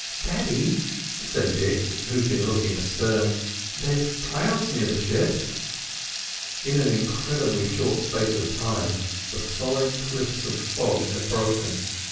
"Daddy," said Dick, who had been looking astern, "there's clouds near the ship." In an incredibly short space of time the solid cliffs of fog had broken.